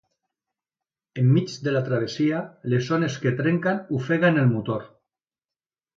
Enmig de la travessia, les ones que trenquen ofeguen el motor.